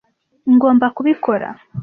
ngomba kubikora.